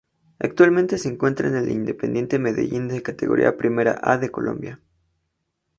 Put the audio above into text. Actualmente se encuentra en el Independiente Medellín de la Categoría Primera A de Colombia.